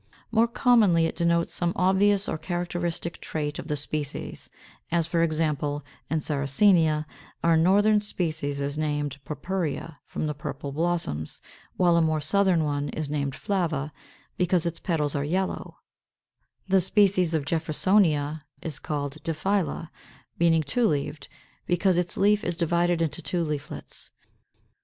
More commonly it denotes some obvious or characteristic trait of the species; as, for example, in Sarracenia, our northern species is named purpurea, from the purple blossoms, while a more southern one is named flava, because its petals are yellow; the species of Jeffersonia is called diphylla, meaning two leaved, because its leaf is divided into two leaflets.